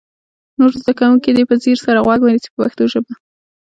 نور زده کوونکي دې په ځیر سره غوږ ونیسي په پښتو ژبه.